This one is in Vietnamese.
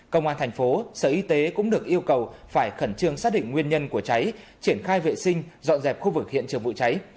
công an thành phố sở y tế cũng được yêu cầu phải khẩn trương xác định nguyên nhân của cháy triển khai vệ sinh dọn dẹp khu vực hiện trường vụ cháy